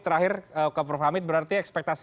terakhir ke prof hamid berarti ekspektasi